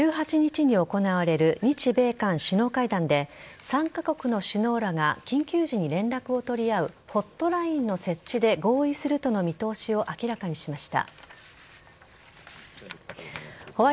処理水の放出は早ければ今月末にも始まるとアメリカ政府高官は１８日に行われる日米韓首脳会談で３カ国の首脳らが緊急時に連絡を取り合うホットラインの設置で合意するとの見通しを明らかにしました。